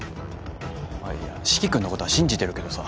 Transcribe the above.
いや四鬼君のことは信じてるけどさ。